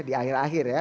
di akhir akhir ya